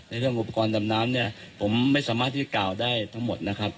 เรื่องอุปกรณ์ดำน้ำเนี่ยผมไม่สามารถที่จะกล่าวได้ทั้งหมดนะครับ